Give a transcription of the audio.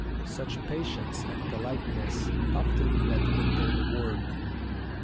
Such patience and politeness often met with their reward.